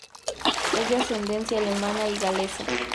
Es de ascendencia alemana y galesa.